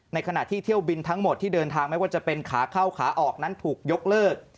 ขณะที่เที่ยวบินทั้งหมดที่เดินทางไม่ว่าจะเป็นขาเข้าขาออกนั้นถูกยกเลิก